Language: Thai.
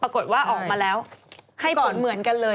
ออกมาแล้วให้ผลเหมือนกันเลย